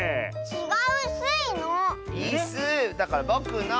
ちがうスイの！